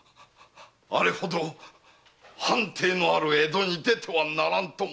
あれほど藩邸のある江戸に出てはならぬと申しておったのに。